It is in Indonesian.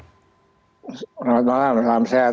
selamat malam salam sehat